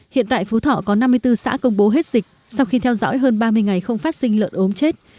hiện tại phú thọ có năm mươi bốn xã công bố hết dịch sau khi theo dõi hơn ba mươi ngày không phát sinh lợn ốm chết